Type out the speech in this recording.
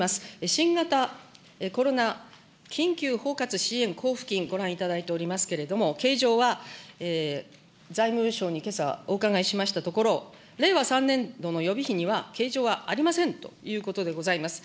新型コロナ緊急包括支援交付金、ご覧いただいておりますけれども、計上は財務省にけさ、お伺いしましたところ、令和３年度の予備費には計上はありませんということでございます。